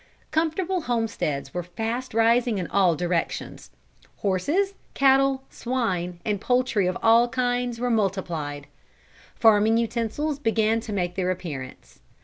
Comfortable homesteads were fast rising in all directions. Horses, cattle, swine, and poultry of all kinds were multiplied. Farming utensils began to make their appearance.